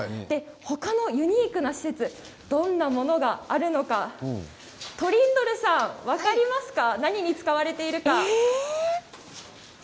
他のユニークな施設どんなものがあるのかトリンドルさん、分かりますか何ですか？